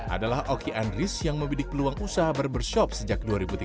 adalah oki andris yang membidik peluang usaha barbershop sejak dua ribu tiga belas